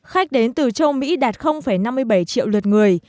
khách đến từ châu mỹ đạt năm mươi bảy triệu lượt người